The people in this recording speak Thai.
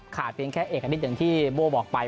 ขาดเพียงแค่เอกนิดหนึ่งที่โบ้บอกไป